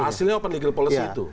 hasilnya open legal policy itu